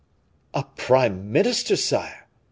"A prime minister, sire?"